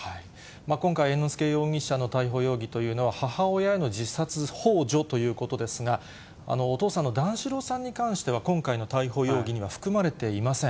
今回、猿之助容疑者の逮捕容疑というのは母親への自殺ほう助ということですが、お父さんの段四郎さんに関しては、今回の逮捕容疑には含まれていません。